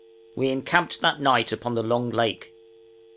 We encamped that night upon the long lake.